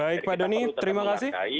jadi kita perlu tetap melakai